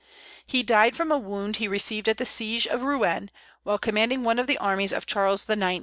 He died from a wound he received at the siege of Rouen, while commanding one of the armies of Charles IX.